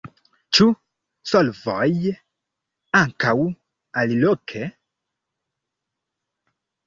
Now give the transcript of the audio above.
Ĉu solvoj ankaŭ aliloke?